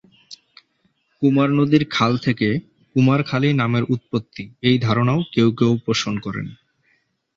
কুমার নদীর খাল থেকে ‘কুমারখালী’ নামের উৎপত্তি এই ধারণাও কেউ কেউ পোষণ করেন।